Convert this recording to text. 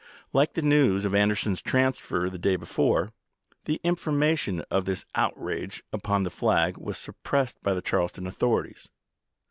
Like the news of Anderson's transfer the day before, the information of this out rage upon the flag was suppressed by the Charleston authorities.